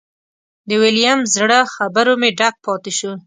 د ویلیم زړه خبرو مې ډک پاتې شو.